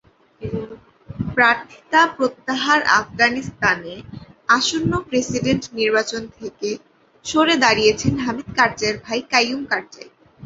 প্রার্থিতা প্রত্যাহারআফগানিস্তানে আসন্ন প্রেসিডেন্ট নির্বাচন থেকে সরে দাঁড়িয়েছেন হামিদ কারজাইয়ের ভাই কাইয়ুম কারজাই।